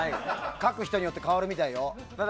書く人によって変わるみたいよ。